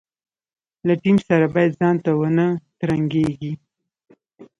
له ټیم سره باید ځانته ونه ترنګېږي.